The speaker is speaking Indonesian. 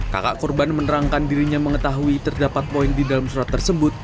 kakak korban menerangkan dirinya mengetahui terdapat poin di dalam surat tersebut